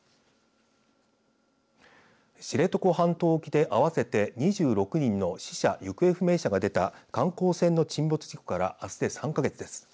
知床半島沖で合わせて２６人の死者・行方不明者が出た観光船の沈没事故からあすで３か月です。